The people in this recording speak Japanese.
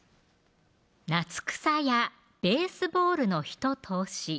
「夏草やベースボールの人遠し」